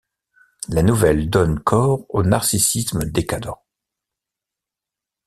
La nouvelle donne corps au narcissisme décadent.